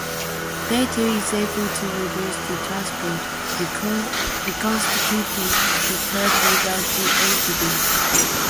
Data is able to reverse the transport, reconstituting Picard without the entity.